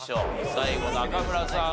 最後中村さん